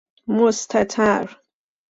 مستتر